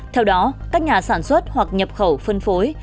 theo đó các nhà sản xuất hoặc nhập khẩu phân phối